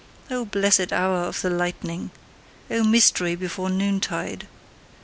O blessed hour of the lightning! O mystery before noontide!